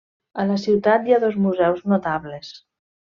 A la ciutat hi ha dos museus notables.